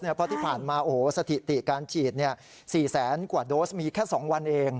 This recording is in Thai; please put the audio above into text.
เพราะที่ผ่านมาสถิติการฉีด๔แสนกว่าโดสมีแค่๒วันเอง